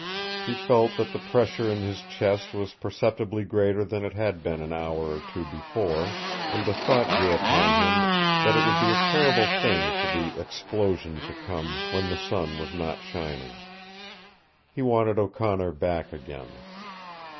He felt that the pressure in his chest was perceptible greater than it had been an hour or two before, and the thought grew upon him that it would be a terrible thing for the "explosion" to come when the sun was not shining. He wanted O'Connor back again.